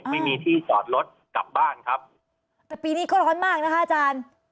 ไม่มีที่จอดรถกลับบ้านครับแต่ปีนี้ก็ร้อนมากนะคะอาจารย์